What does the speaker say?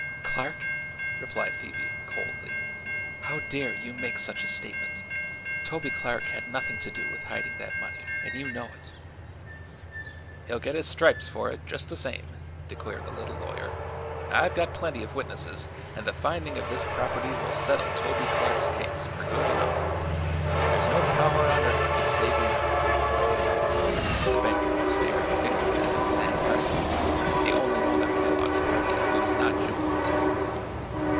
"Clark?" replied Phoebe, coldly. "How dare you make such a statement? Toby Clark had nothing to do with hiding that money, and you know it." "He'll get his stripes for it, just the same," declared the little lawyer. "I've got plenty of witnesses, and the finding of this property will settle Toby Clark's case for good and all. There's no power on earth can save him now." The banker was staring fixedly at Sam Parsons, the only one of Kellogg's party who was not jubilant.